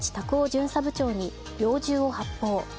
巡査部長に、猟銃を発砲。